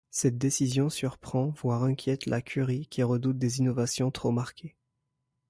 Cette décision surprend voire inquiète la curie qui redoute des innovations trop marquées.